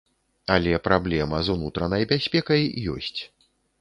Але праблема з унутранай бяспекай ёсць.